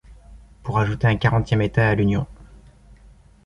Pour ajouter un quarantième État à l’Union!